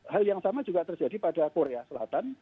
hal yang sama juga terjadi pada korea selatan